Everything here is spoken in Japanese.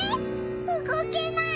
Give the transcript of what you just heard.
うごけない。